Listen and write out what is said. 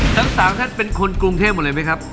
ทั้ง๓ท่านเป็นคนกรุงเทพหมดเลยไหมครับ